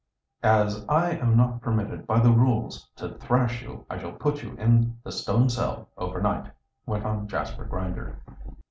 "As I am not permitted by the rules to thrash you, I shall put you in the stone cell over night," went on Jasper Grinder.